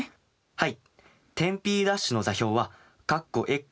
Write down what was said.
はい。